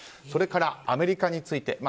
それからアメリカについて。